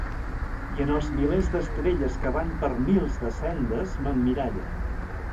I en els milers d'estrelles que van per mils de sendes, m'emmiralle.